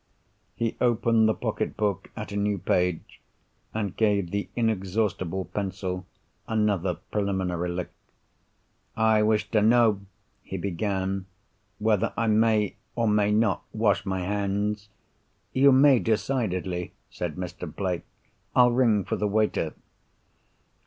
He opened the pocket book at a new page, and gave the inexhaustible pencil another preliminary lick. "I wish to know," he began, "whether I may, or may not, wash my hands——" "You may decidedly," said Mr. Blake. "I'll ring for the waiter."